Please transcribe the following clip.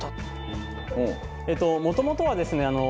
もともとはですね